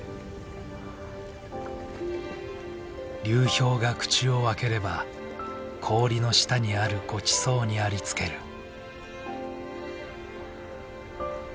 流氷が口を開ければ氷の下にあるごちそうにありつける。